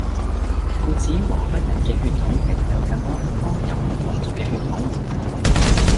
故此華北人嘅血統係帶有更多北方遊牧民族嘅血統